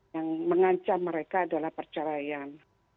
yang mengancam mereka adalah perceraian